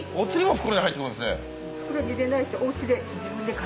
袋に入れないと。